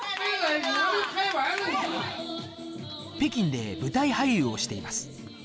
北京で舞台俳優をしています。